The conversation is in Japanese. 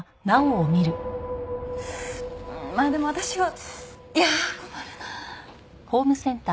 まあでも私はいや困るなあ。